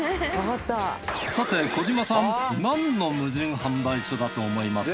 さて児嶋さん何の無人販売所だと思います？